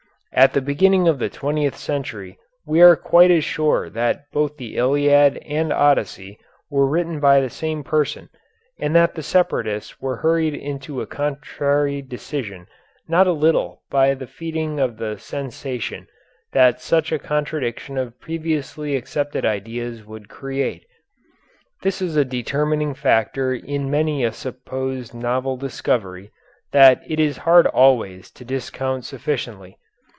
At the beginning of the twentieth century we are quite as sure that both the Iliad and Odyssey were written by the same person and that the separatists were hurried into a contrary decision not a little by the feeling of the sensation that such a contradiction of previously accepted ideas would create. This is a determining factor in many a supposed novel discovery, that it is hard always to discount sufficiently.